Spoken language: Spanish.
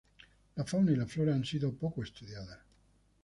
La fauna y la flora han sido poco estudiadas.